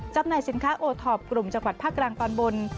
จำหน่ายสินค้าโอทอปกลุ่มจังหวัดภาคกลางตอนบน